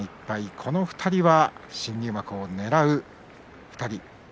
この２人は新入幕をねらう２人。